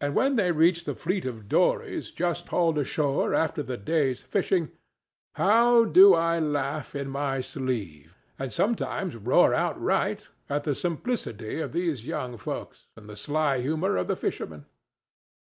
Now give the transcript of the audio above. And when they reach the fleet of dories just hauled ashore after the day's fishing, how do I laugh in my sleeve, and sometimes roar outright, at the simplicity of these young folks and the sly humor of the fishermen!